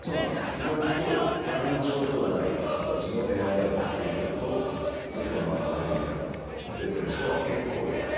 意外と何にも症状のない人たちのＭＲＩをたくさん撮ると椎間板のヘルニアが出てる人は結構います。